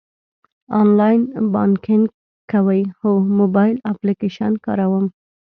آنلاین بانکینګ کوئ؟ هو، موبایل اپلیکیشن کاروم